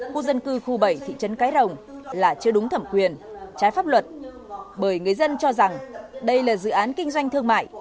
khu dân cư khu bảy thị trấn cái rồng là chưa đúng thẩm quyền trái pháp luật bởi người dân cho rằng đây là dự án kinh doanh thương mại